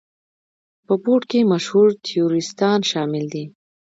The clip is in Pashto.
په بورډ کې مشهور تیوریستان شامل دي.